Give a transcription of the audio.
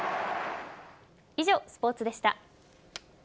以上、スポーツでした。